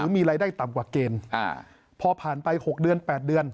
มีรายได้ต่ำกว่าเกณฑ์พอผ่านไป๖เดือน๘เดือน